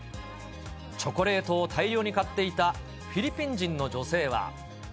チョコレートを大量に買っていたフィリピン人の女性は。